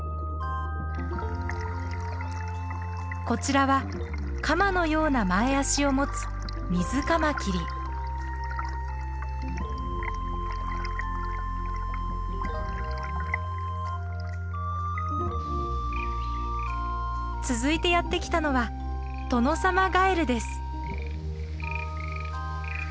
こちらは鎌のような前足を持つ続いてやって来たのはトノサマガエルです。